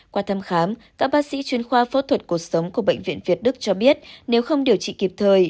qua thăm khám các bác sĩ chuyên khoa phẫu thuật cuộc sống của bệnh viện việt đức cho biết nếu không điều trị kịp thời